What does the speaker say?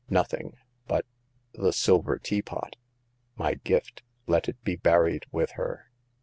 " Nothing. But— the silver teapot ?"" My gift. Let it be buried with her."